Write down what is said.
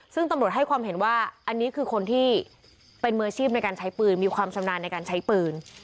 ซึ่งตำรวจให้ความเห็นว่าอันนี้คือคนที่เป็นมืออาชีพในการใช้ปืนมีความชำนาญในการใช้ปืน